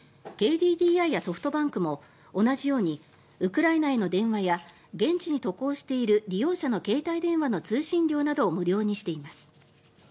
ＫＤＤＩやソフトバンクも同じようにウクライナへの電話や現地に渡航している利用者の携帯電話の通信料などを無料にしています。